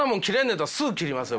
やったらすぐ切りますよ